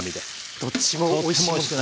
どっちもおいしく。